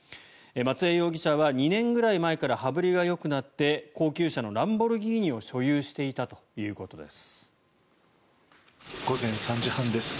松江容疑者は２年くらい前から羽振りがよくなって高級車のランボルギーニを所有していたということです。